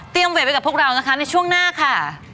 เตรียมเว็บไว้กับพวกเรานะคะในช่วงหน้าค่ะ